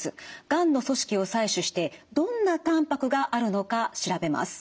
がんの組織を採取してどんなたんぱくがあるのか調べます。